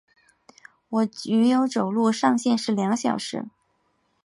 我女友走路上限是两小时